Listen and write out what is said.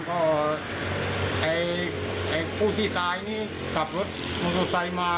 พอไอ้ผู้ที่ตายนี้กลับรถมุดสุดใสมา